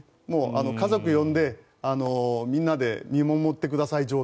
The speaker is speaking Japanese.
もう家族を呼んでみんなで見守ってください